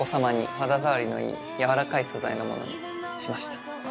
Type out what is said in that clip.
肌触りのいい柔らかい素材のものにしました。